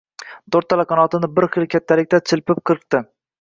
To’rttala qanotini bir xil kaltalikda chilpib qirqdi.